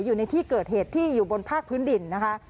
อยู่ในที่เกิดเหตุที่อยู่บนภาคพื้นดินนะคะ